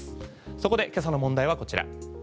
そこで今朝の問題はこちら。